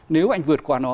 nếu anh vượt qua nó